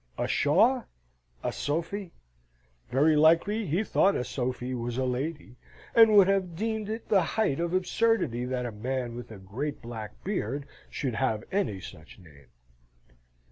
A Shaw? A Sophy? Very likely he thought a Sophy was a lady, and would have deemed it the height of absurdity that a man with a great black beard should have any such name.